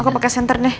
aku pakai senter deh